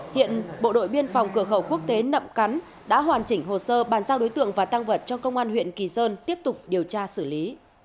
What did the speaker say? hiện bộ đội biên phòng cửa khẩu quốc tế nậm cắn đã hoàn chỉnh hồ sơ bàn giao đối tượng và tăng vật cho công an huyện kỳ sơn tiếp tục điều tra xử lý